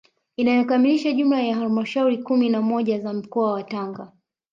Inayokamilisha jumla ya halmashauri kumi na moja za mkoa wa Tanga